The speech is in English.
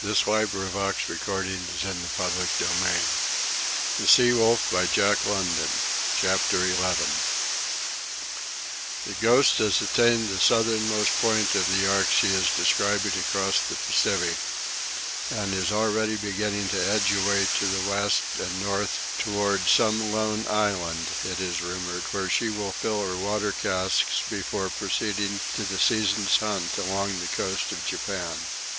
He is too busy living it to think about it. My mistake was in ever opening the books." CHAPTER XI The Ghost has attained the southernmost point of the arc she is describing across the Pacific, and is already beginning to edge away to the west and north toward some lone island, it is rumoured, where she will fill her water casks before proceeding to the season's hunt along the coast of Japan.